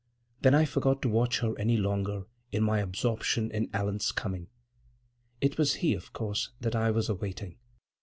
Then I forgot to watch her any longer in my absorption in Allan's coming. It was he, of course, that I was awaiting.